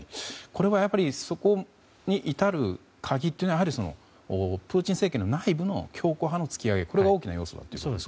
これはやっぱり、そこに至る鍵はプーチン政権の内部の強硬派の突き上げが大きな要素だと。